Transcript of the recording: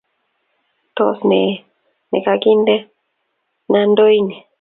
tos? Nee ne kakindena ndooini